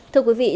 thưa quý vị